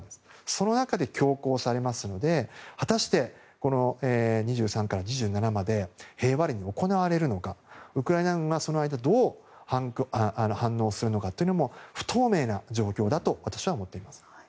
その中で強行されますので果たして、２３から２７まで平和裏に行われるのかウクライナ側がその間、どう反応するのかというのも不透明な状況だと私は思っています。